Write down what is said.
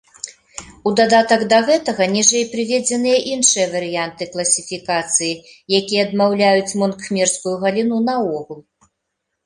У дадатак да гэтага, ніжэй прыведзеныя іншыя варыянты класіфікацыі, якія адмаўляюць мон-кхмерскую галіну наогул.